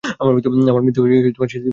আমার মৃত্যু সেদিনই হয়েছে, স্যার।